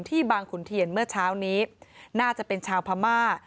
บางขุนเทียนเมื่อเช้านี้น่าจะเป็นชาวพม่า